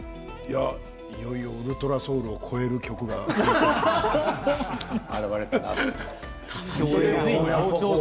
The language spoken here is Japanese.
いよいよ「ウルトラソウル」を超える曲が現れたなと。